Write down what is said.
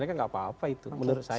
apa itu menurut saya